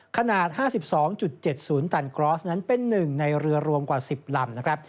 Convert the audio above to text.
ขนาด๕๒๗๐ตันกรอสนั้นเป็นหนึ่งในเรือรวมกว่า๑๐ลำนะครับ